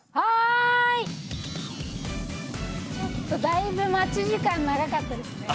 だいぶ待ち時間長かったですね。